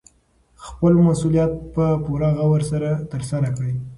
خپل مسوولیت په پوره غور سره ترسره کړئ.